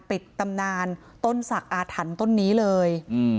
ปิดตำนานต้นสักอาธันต์ต้นนี้เลย